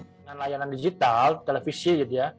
dengan layanan digital televisi